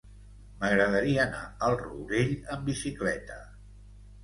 M'agradaria anar al Rourell amb bicicleta.